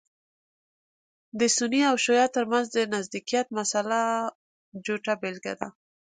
د سني او شعیه تر منځ د نزدېکت مسأله جوته بېلګه ده.